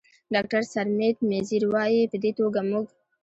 ډاکتر سرمید میزیر، وايي: "په دې توګه موږ